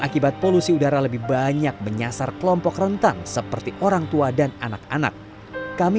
akibat polusi udara lebih banyak menyasar kelompok rentan seperti orangtua dan anak anak kami